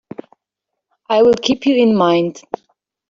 I'll keep you in mind.